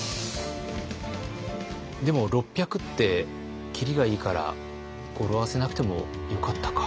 でも６００って切りがいいから語呂合わせなくてもよかったか。